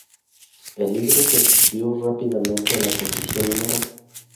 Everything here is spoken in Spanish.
El libro se subió rápidamente a la posición No.